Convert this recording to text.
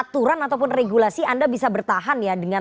soal aturan atau regim gulasi anda bisa bertahan ya dengan